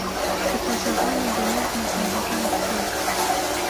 د پاچاهانو د ملک مصلحتونه پوهیږي.